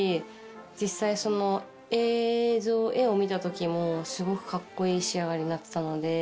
実際その映像画を見た時もすごくカッコいい仕上がりになってたので。